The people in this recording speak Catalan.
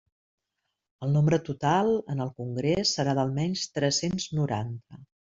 El nombre total en el congrés serà d'almenys tres-cents noranta.